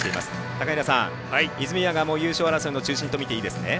高平さん、泉谷が優勝争いの中心と見ていいですね。